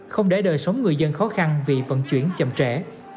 không để đời sống người dân khó khăn vì vận chuyển chậm trễ